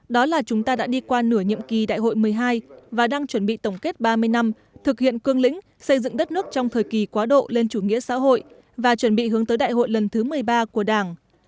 đó là chúng ta đã đi qua nửa nhiệm kỳ đại hội một mươi hai và đang chuẩn bị tổng kết ba mươi năm thực hiện cương lĩnh xây dựng đất nước trong thời kỳ quá độ lên chủ nghĩa xã hội và chuẩn bị hướng tới đại hội lần thứ một mươi ba của đảng